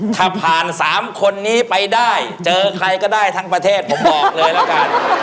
ถ้าผ่าน๓คนนี้ไปได้เจอใครก็ได้ทั้งประเทศผมบอกเลยละกัน